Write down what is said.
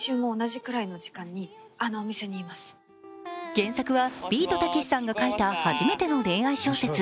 原作はビートたけしさんが書いた初めての恋愛小説。